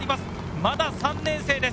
まだ３年生です。